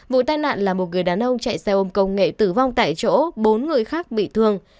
vụ tai nạn là một người đàn ông chạy xe ôm công nghệ tử vong tại chỗ bốn người khác bị thương